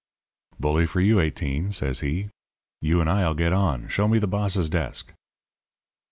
"'Bully for you, Eighteen,' says he. 'You and I'll get on. Show me the boss's desk.'